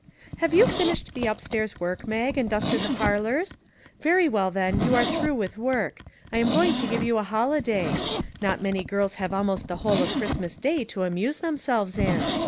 " Have you finished the upstairs work, Mag, and dusted the parlors? Very well, then, you are through with work ; I am going to give you a holiday. Not many girls have almost the whole of Christmas Day to amuse themselves in.